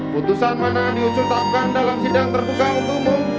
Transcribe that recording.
putusan mana diututkan dalam sidang terbuka umum